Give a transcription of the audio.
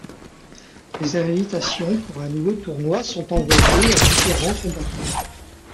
Des invitations pour un nouveau tournoi sont envoyés à différents combattants.